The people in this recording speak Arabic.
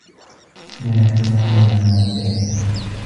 نَافِرَةً عَنْ مَوْضِعِهَا